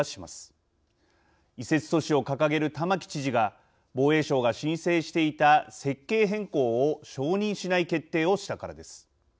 移設阻止を掲げる玉城知事が防衛省が申請していた設計変更を承認しない決定をしたからです。